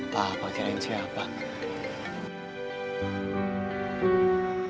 pak pakai lensnya pak